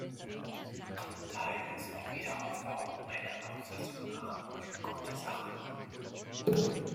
Daher ist der Wiederaufbau meiner Auffassung nach eine gute Sache.